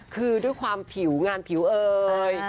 คือด้วยความผิวงานผิวเอ่ย